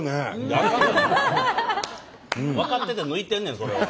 分かってて抜いてんねんそれは。